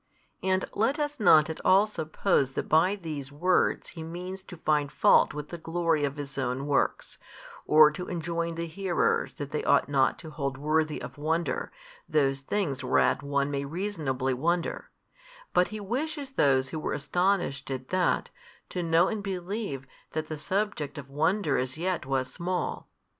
And let us not at all suppose that by these words He means to find fault with the glory of His own works, or to enjoin the hearers that they ought not to hold worthy of wonder, those things whereat one may reasonably wonder, but He wishes those who were astonished at that to know and believe that the subject of wonder as yet was small.